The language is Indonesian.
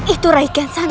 itu raikian santa